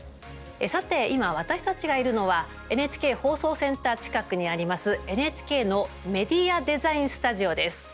さて今、私たちがいるのはＮＨＫ放送センター近くにあります、ＮＨＫのメディアデザインスタジオです。